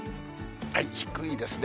低いですね。